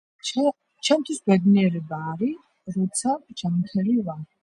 ჩემთვის ბედნიერება არის როცა ჯანმრთელი ვარ